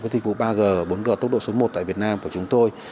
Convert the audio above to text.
với tình cụ ba g bốn g tốc độ số một tại việt nam của chúng tôi